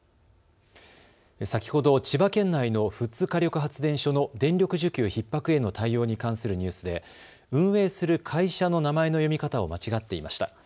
先ほど千葉県内の富津火力発電所の電力需給ひっ迫への対応に関するニュースで、運営する会社の名前の読み方を間違っていました。